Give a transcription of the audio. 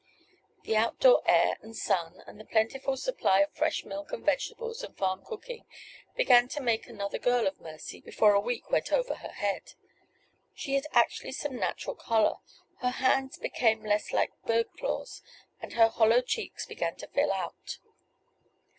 The outdoor air and sun, and the plentiful supply of fresh milk and vegetables and farm cooking, began to make another girl of Mercy before a week went over her head. She had actually some natural color, her hands became less like bird claws, and her hollow cheeks began to fill out.